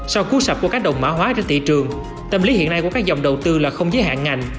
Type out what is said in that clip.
sau cú sập của các đồng mã hóa trên thị trường tâm lý hiện nay của các dòng đầu tư là không giới hạn ngành